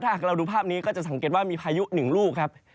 ถ้าหากเราดูภาพนี้ก็จะสังเกตว่ามีพายุหนึ่งลูกครับ